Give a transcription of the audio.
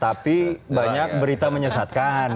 tapi banyak berita menyesatkan